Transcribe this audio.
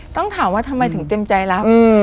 ต้องถามว่าทำไมถึงเต็มใจรับ